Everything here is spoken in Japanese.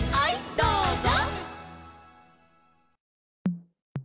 どうぞ」